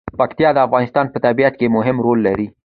پکتیکا د افغانستان په طبیعت کې مهم رول لري.